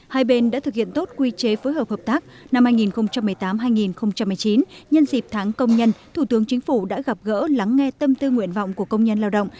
hai bên đã thực hiện tốt quy chế phối hợp hợp tác năm hai nghìn một mươi tám hai nghìn một mươi chín nhân dịp tháng công nhân thủ tướng chính phủ đã gặp gỡ lắng nghe tâm tư nguyện vọng của công nhân lao động